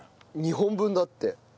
２本分だって。